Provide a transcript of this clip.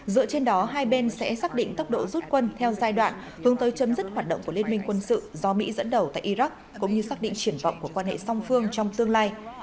dựa trên đó hai bên sẽ xác định tốc độ rút quân theo giai đoạn hướng tới chấm dứt hoạt động của liên minh quân sự do mỹ dẫn đầu tại iraq cũng như xác định triển vọng của quan hệ song phương trong tương lai